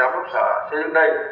giám đốc xã xây dựng đây